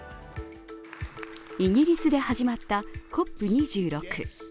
イギリスで始まったＣＯＰ２６。